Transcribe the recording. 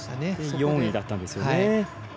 ４位だったんですよね。